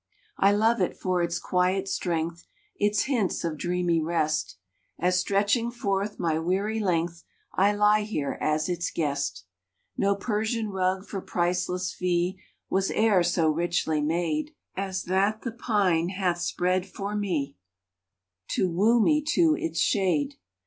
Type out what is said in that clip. I love it for its quiet strength, Its hints of dreamy rest, As stretching forth my weary length I lie here as its guest. No Persian rug for priceless fee Was e er so richly made As that the pine hath spread for me To woo me to its shade.